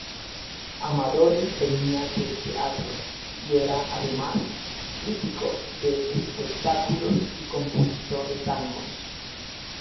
Amadori venía del teatro y era además crítico de espectáculos y compositor de tangos.